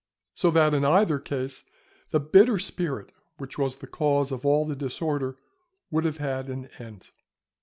So that in either case the bitter spirit which was the cause of all the disorder would have had an end.